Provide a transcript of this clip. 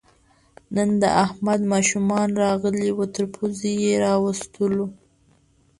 نن د احمد ماشومان راغلي وو، تر پوزې یې راوستلو.